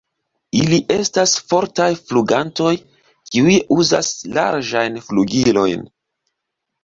Ili estas fortaj flugantoj kiuj uzas larĝajn flugilojn.